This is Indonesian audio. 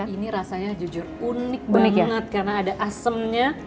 ini rasanya jujur unik banget karena ada asemnya